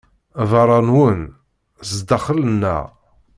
Beṛṛa nnwen, zdaxel nneɣ.